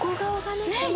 ねっ！